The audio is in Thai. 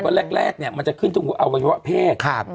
ระดับแรกก็จะขึ้นในตัวเอาในวัยวะแพทย์